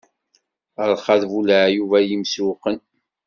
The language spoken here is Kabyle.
Rrxa d bu laɛyub,a yimsewwqen!